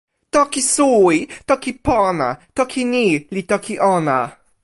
toki suwi. toki pona. toki ni li toki ona.